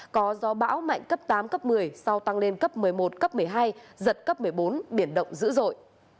có gió bão mạnh cấp tám cấp một mươi sau tăng lên cấp một mươi một cấp một mươi hai giật cấp một mươi bốn biển động dữ dội